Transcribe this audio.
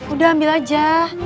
udah ambil aja